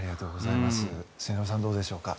末延さん、どうでしょうか。